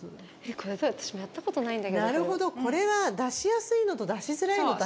これ私もやったことないんだけどなるほどこれは出しやすいのと出しづらいのとありますね